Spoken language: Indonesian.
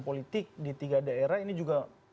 politik di tiga daerah ini juga